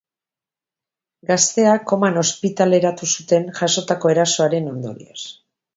Gaztea koman ospitaleratu zuten, jasotako erasoaren ondorioz.